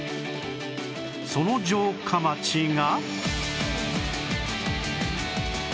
その城下町が